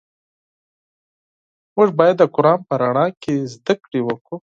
موږ باید د قرآن په رڼا کې زده کړې وکړو.